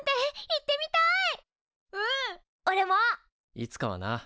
いつかはな。